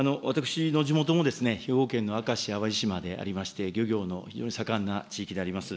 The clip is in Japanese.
私の地元も、兵庫県の明石、淡路島でありまして、漁業の非常に盛んな地域であります。